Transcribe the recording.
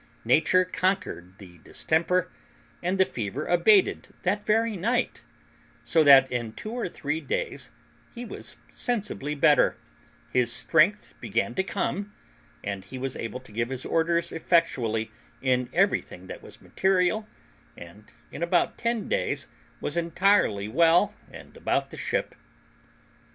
Nature conquered the distemper, and the fever abated that very night; so that in two or three days he was sensibly better, his strength began to come, and he was able to give his orders effectually in everything that was material, and in about ten days was entirely well and about the ship.